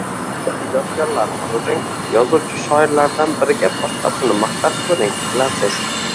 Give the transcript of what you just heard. Ijodkorlarni ko‘ring. Yozuvchi, shoirlardan biriga boshqasini maqtab ko‘ring, bilasiz.